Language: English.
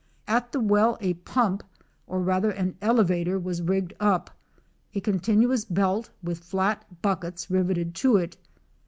At the well a pump, or rather an elevator was rigged up, a continuous belt with flat buckets riveted to it.